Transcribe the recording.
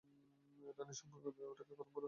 রাণী ও সর্বমঙ্গলের ন্যায়, ওটাকে খতম করো!